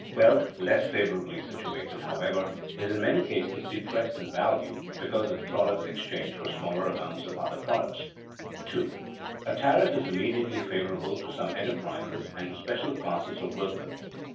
Wealth less favorably situated, however, is in many cases depressed in value because its products exchange for smaller amounts of other products. [Sidenote: The special gains and the general burden] 2. _A tariff is immediately favorable to some enterprises and to special classes of workmen.